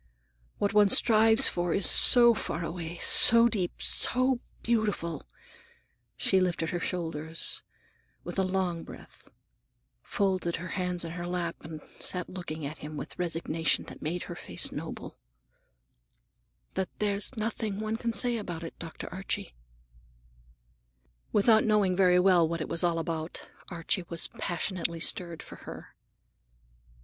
What one strives for is so far away, so deep, so beautiful"—she lifted her shoulders with a long breath, folded her hands in her lap and sat looking at him with a resignation that made her face noble,—"that there's nothing one can say about it, Dr. Archie." Without knowing very well what it was all about, Archie was passionately stirred for her.